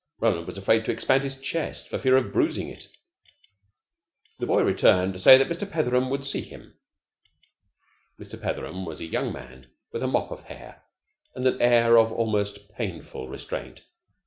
Roland was afraid to expand his chest for fear of bruising it. The boy returned to say that Mr. Petheram would see him. Mr. Petheram was a young man with a mop of hair, and an air of almost painful restraint.